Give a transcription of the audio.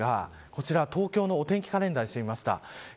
こちら東京のお天気カレンダーにしてみました。